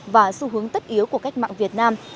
và xu hướng tất yếu của cách mạng việt nam